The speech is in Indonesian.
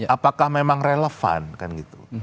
apakah memang relevan kan gitu